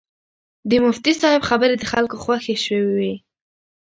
د مفتي صاحب خبرې د خلکو خوښې شوې وې.